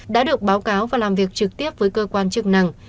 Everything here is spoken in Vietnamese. đã được báo cáo và làm việc trực tiếp với cơ quan chức năng